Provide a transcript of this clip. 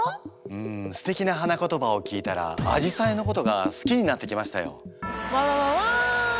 うんステキな花言葉を聞いたらアジサイのことが好きになってきましたよ。